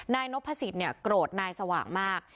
นายนพสิทธิ์เนี่ยโกรธนายสว่างมาก